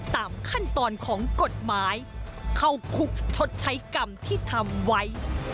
ตามขั้นตอนของกฎหมายเข้าคุกชดใช้กรรมที่ทำไว้